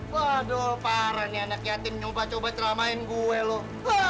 waduh parah nih anak yatim nyoba coba ceramain gue loh